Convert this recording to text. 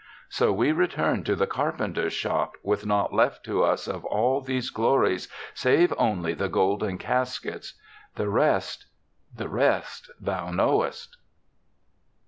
So we returned to the car penter's shop, with naught left to us of all these glories save only the golden caskets. The rest — the rest thou knowest."